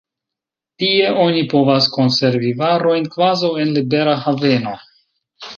Tie oni povas konservi varojn kvazaŭ en libera haveno.